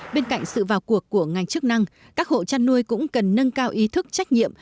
bên cạnh sự vào cuộc của ngành chức năng các hộ chăn nuôi cũng cần nâng cao ý thức trách nhiệm